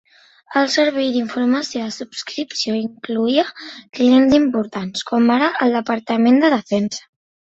El servei d'informació de subscripció incloïa clients importants, com ara el Departament de Defensa.